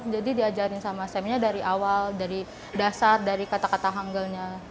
jadi diajarin sama semnya dari awal dari dasar dari kata kata hanggalnya